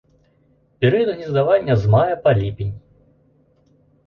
Перыяд гнездавання з мая па ліпень.